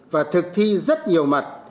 và thực thi rất nhiều mặt